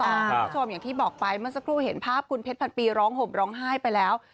คุณผู้ชมอย่างที่บอกไปเมื่อสักครู่เห็นภาพคุณเพชรพันปีร้องห่มร้องไห้ไปแล้ว